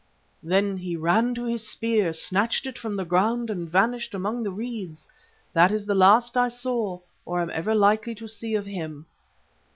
"Then he ran to his spear, snatched it from the ground and vanished among the reeds. That was the last I saw, or am ever likely to see, of him."